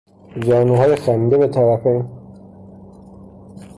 زانوهای خمیده به طرفین